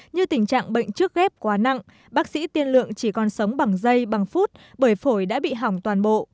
như tình trạng bệnh trước ghép quá nặng bác sĩ tiên lượng chỉ còn sống bằng dây bằng phút bởi phổi đã bị hỏng toàn bộ